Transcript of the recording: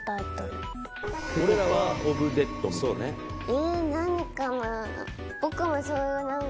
え何かな？